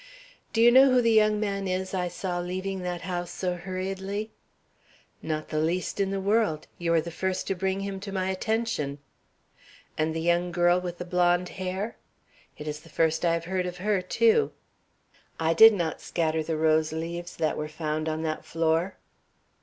"Do you know who the young man is I saw leaving that house so hurriedly?" "Not the least in the world. You are the first to bring him to my attention." "And the young girl with the blonde hair?" "It is the first I have heard of her, too." "I did not scatter the rose leaves that were found on that floor."